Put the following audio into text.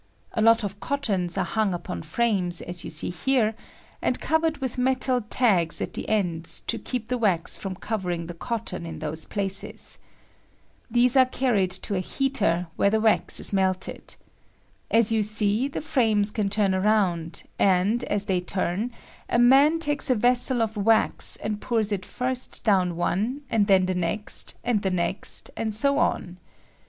A lot of cottons are hung upon frames, as you see here, and covered with metal tags at the ends to keep the wax from covering the cotton in those plfiees. These are carried to a heater, where the wax is melted. As you see, the frames can turn round; and, as they turn, a man takes a vessel of wax and pours it first down one, and then the next, and the next, and HO on.